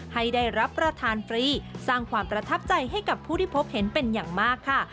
ให้ได้รับประทานฟรีสร้างความประทับใจให้กับผู้ที่พบเห็นเป็นอย่างมากค่ะ